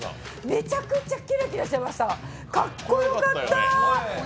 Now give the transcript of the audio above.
めちゃくちゃキラキラしてましたかっこよかった！